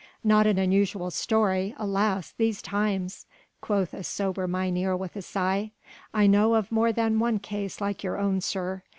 "Not an unusual story, alas, these times!" quoth a sober mynheer with a sigh. "I know of more than one case like your own, sir.